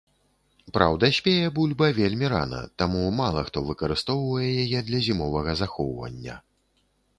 Праўда, спее бульба вельмі рана, таму мала хто выкарыстоўвае яе для зімовага захоўвання.